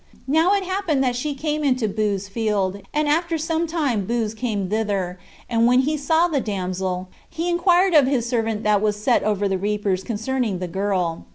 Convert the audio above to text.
Now it happened that she came into Booz's field; and after some time Booz came thither, and when he saw the damsel, he inquired of his servant that was set over the reapers concerning the girl.